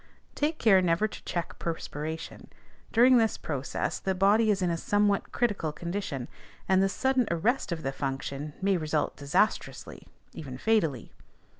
Take care never to check perspiration: during this process the body is in a somewhat critical condition, and the sudden arrest of the function may result disastrously, even fatally.